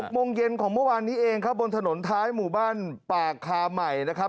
โมงเย็นของเมื่อวานนี้เองครับบนถนนท้ายหมู่บ้านปากคาใหม่นะครับ